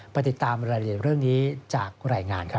ติดตามรายละเอียดเรื่องนี้จากรายงานครับ